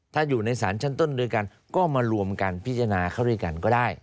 ถ้าอยู่ในศาลชั้นต้นด้วยกันก็มารวมกันพิจารณาเข้าด้วยกันก็ได้